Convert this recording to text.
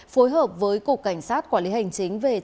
phối hợp với cục cảnh sát quản lý hành chính về